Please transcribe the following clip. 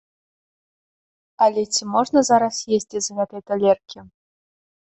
Але ці можна зараз есці з гэтай талеркі?